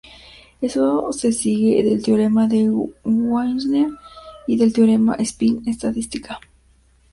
Eso se sigue del teorema de Wigner y del teorema espín-estadística.